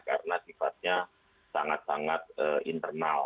karena sifatnya sangat sangat internal